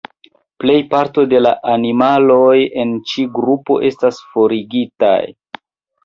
Plejparto da la animaloj en ĉi grupo estas forigitaj.